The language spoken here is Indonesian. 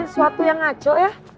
suatu yang ngaco ya